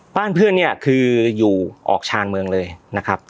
บ้านเพื่อนคืออยู่ออกชานเมืองเลยนะครับ